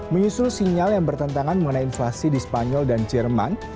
menyusul sinyal yang bertentangan mengenai inflasi di spanyol dan jerman